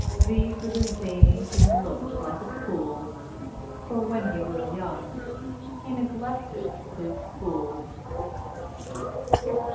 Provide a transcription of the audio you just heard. Z for the Zany who looked like a fool, For when he was young he neglected his school.